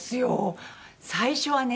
最初はね